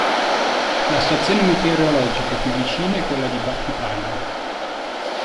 La stazione meteorologica più vicina è quella di Battipaglia.